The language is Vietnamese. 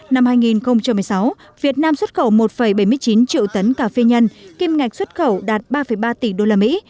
năm hai nghìn một mươi sáu việt nam xuất khẩu một bảy mươi chín triệu tấn cà phê nhân kim ngạch xuất khẩu đạt ba ba tỷ usd